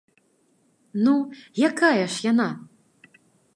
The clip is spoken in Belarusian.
Ну, якая ж яна?